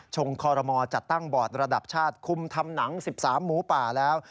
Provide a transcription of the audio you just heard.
งคอรมอจัดตั้งบอร์ดระดับชาติคุมทำหนัง๑๓หมูป่าแล้ว